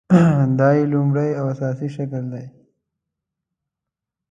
دا یې لومړۍ او اساسي شکل دی.